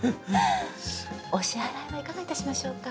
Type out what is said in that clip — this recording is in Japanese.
お支払いはいかが致しましょうか？